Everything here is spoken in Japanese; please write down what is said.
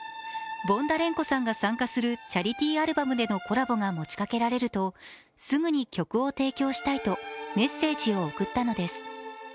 ボンダレンコさんが参加するチャリティーアルバムでのコラボが持ちかけられると、すぐに曲を提供したいとメッセージを送ったのです。